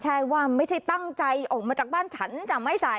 ใช่ว่าไม่ใช่ตั้งใจออกมาจากบ้านฉันจะไม่ใส่